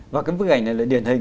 và cái bức ảnh này là điển hình